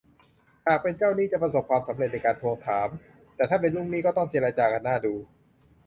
หากเป็นเจ้าหนี้จะประสบความสำเร็จในการทวงถาม แต่ถ้าเป็นลูกหนี้ก็ต้องเจรจากันน่าดู